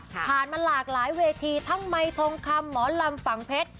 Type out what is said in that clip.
ผ่านมาหลากหลายเวทีทั้งไมค์ทองคำหมอลำฝั่งเพชร